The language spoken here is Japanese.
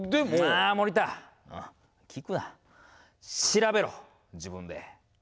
あー森田、聞くな、調べろ、自分で。